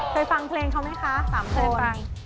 เคยฟังเพลงเขาไหมคะเคยฟัง